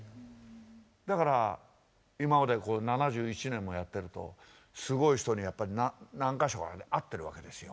だから今まで７１年もやってるとすごい人にやっぱり何か所かで会ってるわけですよ。